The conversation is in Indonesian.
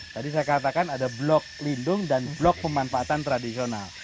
tadi saya katakan ada blok lindung dan blok pemanfaatan tradisional